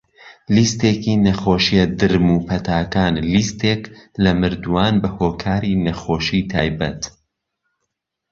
لیستێکی نەخۆشیە درم و پەتاکان - لیستێک لە مردووان بەهۆکاری نەخۆشی تایبەت.